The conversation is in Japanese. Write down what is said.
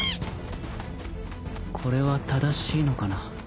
これは正しいのかな？